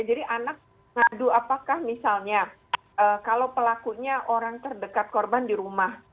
jadi anak ngadu apakah misalnya kalau pelakunya orang terdekat korban di rumah